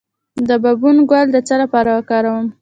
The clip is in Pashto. د بابونه ګل د څه لپاره وکاروم؟